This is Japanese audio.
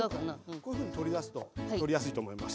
こういうふうに取り出すと取りやすいと思います。